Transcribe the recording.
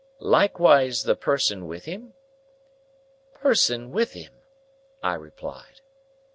"Likewise the person with him?" "Person with him!" I repeated.